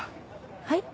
はい？